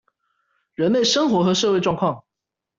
人類生活和社會狀況